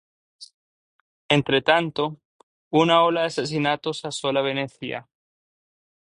Entre tanto, una ola de asesinatos asola Venecia.